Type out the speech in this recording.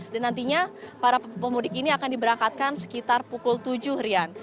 dan nantinya para pemudik ini akan diberangkatkan sekitar pukul tujuh rian